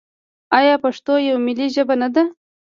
آیا پښتو یوه ملي ژبه نه ده؟